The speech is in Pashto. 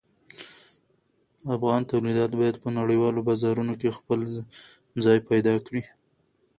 افغان تولیدات باید په نړیوالو بازارونو کې خپل ځای پیدا کړي.